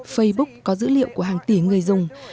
facebook có dữ liệu của hàng tỷ người dùng